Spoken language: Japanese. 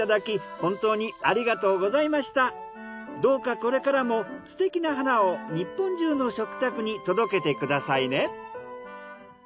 本当にどうかこれからもすてきな花を日本中の食卓に届けてくださいね。